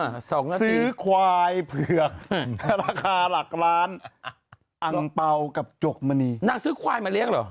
สองล้านซื้อควายเผือกราคาหลักล้านอังเปล่ากับจกมณีนางซื้อควายมาเลี้ยงเหรอ